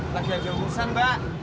lagi aja urusan mbak